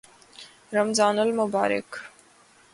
رمضان المبارک